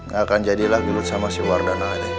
gak akan jadilah gelut sama si wardana